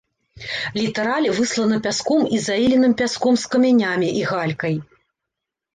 Літараль выслана пяском і заіленым пяском з камянямі і галькай.